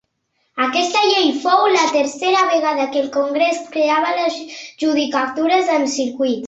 Aquesta llei fou la tercera vegada que el congrés creava judicatures en circuit.